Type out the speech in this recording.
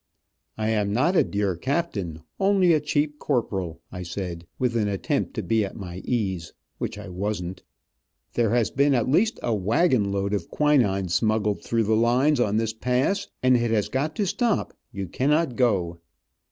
"I am not a dear captain, only a cheap corporal," I said, with an attempt to be at my ease, which I wasn't. "There has been at least a wagon load of quinine smuggled through the lines on this pass, and it has got to stop; you cannot go."